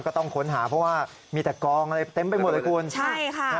ก็ต้องค้นหาเพราะว่ามีแต่กองอะไรเต็มไปหมดเลยคุณใช่ค่ะ